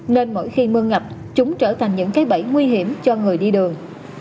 nên mỗi khi mưa ngập chúng trở thành những cái bẫy nguy hiểm cho người đi đường